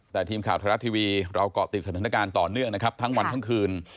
แต่ทีมข่าวไทยรัฐทีวีเราเกาะติดสถานการณ์ต่อเนื่องนะครับทั้งวันทั้งคืน